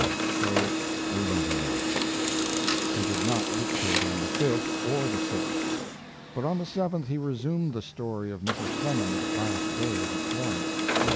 So we went away. He did not dictate on the 5th or the 6th, but on the 7th he resumed the story of Mrs. Clemens's last days at Florence.